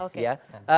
pikir jalur gitu ya